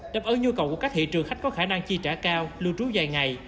đáp ứng nhu cầu của các thị trường khách có khả năng chi trả cao lưu trú dài ngày